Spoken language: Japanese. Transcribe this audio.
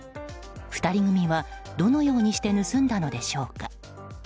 ２人組はどのようにして盗んだのでしょうか。